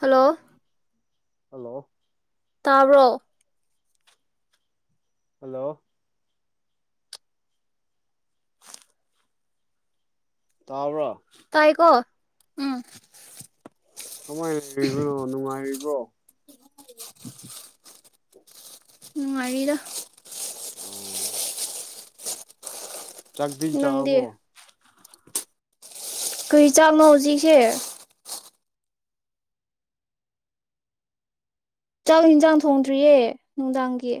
Hello. Hello. ꯇꯥꯕꯔꯣ꯫ Hello. ꯇꯥꯕ꯭ꯔꯣ꯫ ꯇꯥꯌꯦꯀꯣ ꯎꯝ꯫ ꯊꯃꯩ ꯂꯩꯔꯤꯕ꯭ꯔꯣ ꯅꯨꯡꯉꯥꯏꯔꯤꯕ꯭ꯔꯣ꯫ ꯅꯨꯡꯉꯥꯏꯔꯤꯗ꯫ ꯑꯣ꯫ ꯆꯥꯛꯇꯤ ꯅꯪꯗꯤ ꯆꯥꯔꯕꯣ꯫ ꯀꯔꯤ ꯆꯥꯛꯅꯣ ꯍꯧꯖꯤꯛꯁꯦ꯫ ꯆꯥꯛ ꯌꯦꯟꯖꯥꯡ ꯊꯣꯡꯗ꯭ꯔꯤꯌꯦ ꯅꯨꯡꯗꯥꯡꯒꯤ꯫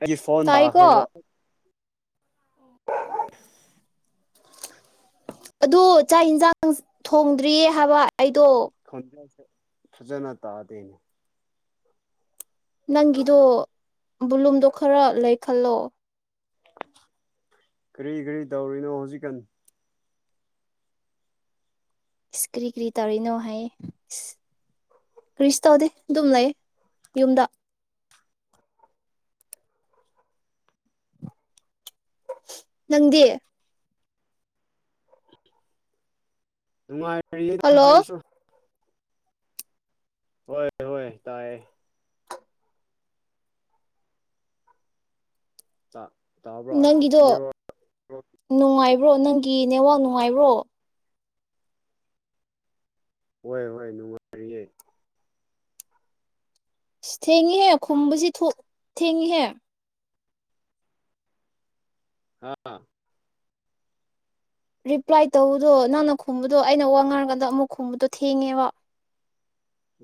ꯑꯩꯒꯤ ꯐꯣꯟ ꯇꯥꯌꯦꯀꯣ꯫ ꯇꯥꯈ꯭ꯔꯕ [unintelligible] ꯑꯗꯨ ꯆꯥꯛ ꯌꯦꯟꯁꯥꯡ ꯊꯣꯡꯗ꯭ꯔꯤꯌꯦ ꯍꯥꯏꯕ ꯑꯩꯗꯣ꯫ [unintelligible] ꯐꯖꯅ ꯇꯥꯗꯦꯅꯦ꯫ ꯅꯪꯒꯤꯗꯣ ꯕꯣꯂꯨꯝꯗꯣ ꯈꯔ ꯂꯩ ꯈꯠꯂꯣ꯫ ꯀꯔꯤ ꯀꯔꯤ ꯇꯧꯔꯤꯅꯣ ꯍꯧꯖꯤꯛꯀꯥꯟ꯫ ꯏꯁ ꯀ꯭ꯔꯤ ꯀ꯭ꯔꯤ ꯇꯧꯔꯤꯅꯣ ꯍꯥꯏꯌꯦ ꯏꯁ꯫ ꯀꯥꯔꯤꯁꯨ ꯇꯧꯗꯦ ꯑꯗꯨꯝ ꯂꯩꯌꯦ ꯌꯨꯝꯗ꯫ ꯅꯪꯗꯤ꯫ ꯅꯨꯡꯉꯥꯏꯔꯤꯌꯦ꯫ ꯍꯜꯂꯣ [inaudible] ꯍꯣꯏ ꯍꯣꯏ ꯇꯥꯏꯌꯦ꯫ ꯇꯥ ꯇꯥꯕ꯭ꯔꯣ꯫ ꯅꯪꯒꯤꯗꯣ ꯅꯨꯡꯉꯥꯏꯕ꯭ꯔꯣ ꯅꯪꯒꯤ ꯅꯦꯠꯋꯥꯛ ꯅꯨꯡꯉꯥꯏꯕ꯭ꯔꯣ꯫ ꯍꯣꯏꯌꯦ ꯍꯣꯏꯌꯦ ꯅꯨꯡꯉꯥꯏꯔꯤꯌꯦ꯫ ꯏꯁ ꯊꯦꯡꯉꯤꯍꯦ ꯈꯨꯝꯕꯁꯤ ꯊꯨ ꯊꯦꯡꯉꯤꯍꯦ꯫ ꯍꯥꯥ꯫ ꯔꯤꯄ꯭ꯂꯥꯏ ꯇꯧꯕꯗꯣ ꯅꯪꯅ ꯈꯨꯝꯕꯗꯣ ꯑꯩꯅ ꯋꯥꯡꯉꯔꯀꯥꯟꯗ ꯑꯃꯨꯛ ꯈꯨꯝꯕꯗꯣ ꯊꯦꯡꯉꯦꯕ꯫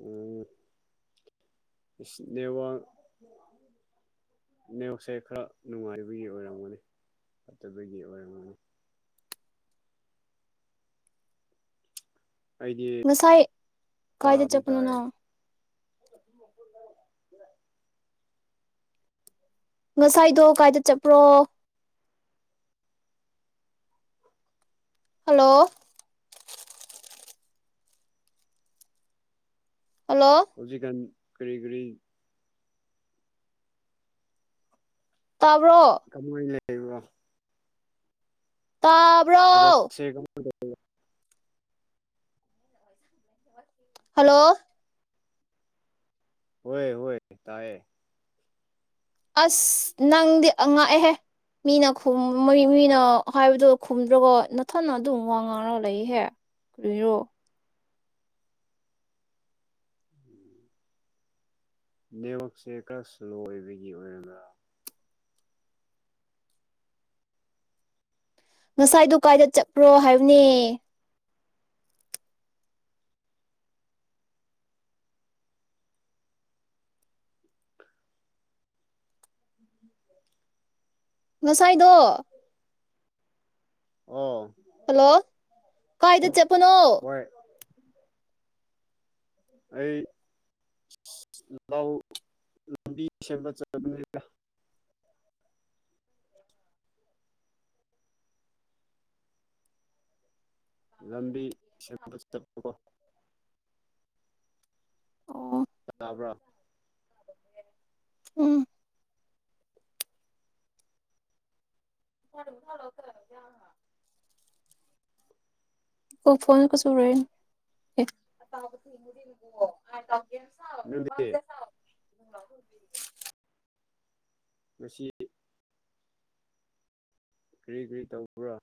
ꯑꯣ ꯏꯁ ꯅꯦꯠꯋꯥꯛ꯫ ꯅꯦꯠꯋꯥꯛꯁꯦ ꯈꯔ ꯅꯨꯡꯉꯥꯏꯕꯒꯤ ꯑꯣꯏꯔꯝꯒꯅꯤ ꯐꯠꯇꯕꯒꯤ ꯑꯣꯏꯔꯝꯒꯅꯤ꯫ ꯑꯩꯗꯤ ꯉꯁꯥꯏ ꯀꯥꯏꯗ ꯇꯥꯕꯗꯤ ꯆꯠꯄꯅꯣ ꯇꯥꯏꯌꯦ ꯅꯪ꯫ ꯉꯁꯥꯏꯗꯣ ꯀꯥꯏꯗ ꯆꯠꯄ꯭ꯔꯣ꯫ ꯍꯜꯂꯣ꯫ ꯍꯜꯂꯣ ꯍꯧꯖꯤꯛꯀꯥꯟ ꯀꯔꯤ ꯀꯔꯤ ꯇꯥꯕꯔꯣ ꯀꯃꯥꯏꯅ ꯂꯩꯕꯣ ꯇꯥꯕꯔꯣ? ꯊꯕꯛꯁꯦ [unintelligible] ꯍꯜꯂꯣ ꯍꯣꯏ ꯍꯣꯏ ꯇꯥꯏꯌꯦ꯫ ꯑꯁ ꯅꯪꯗꯤ ꯑꯉꯥꯑꯦꯍꯦ꯫ ꯃꯤꯅ ꯈꯨꯝ ꯃꯤꯅ ꯍꯥꯏꯕꯗꯨ ꯈꯨꯝꯗ꯭ꯔꯒ ꯅꯥꯊꯅ ꯑꯗꯨꯝ ꯋꯥ ꯉꯥꯡꯔꯒ ꯂꯩꯍꯦ꯫ [unintelligible] ꯅꯦꯠꯋꯔꯛꯁꯦ ꯈꯔ ꯁꯂꯣ ꯑꯣꯏꯕꯒꯤ ꯑꯣꯏꯅ ꯉꯁꯥꯏꯗꯨ ꯀꯥꯏꯗ ꯆꯠꯄ꯭ꯔꯣ ꯍꯥꯏꯕꯅꯦ꯫ ꯉꯁꯥꯏꯗꯣ ꯑꯣ ꯍꯜꯂꯣ ꯀꯥꯏꯗ ꯆꯠꯄꯅꯣ? ꯍꯣꯏ ꯑꯩ ꯂꯧ ꯂꯝꯕꯤ ꯁꯦꯝꯕ [unintelligible] ꯂꯝꯕꯤ ꯁꯦꯝꯕ ꯆꯠꯄꯀꯣ꯫ ꯑꯣ ꯇꯥꯕ꯭ꯔꯥ ꯎꯝ [unintelligible] [unintelligible] ꯅꯪꯗꯤ [unintelligible] ꯉꯁꯤ ꯀꯔꯤ- ꯀꯔꯤ ꯇꯧꯕ꯭ꯔꯥ?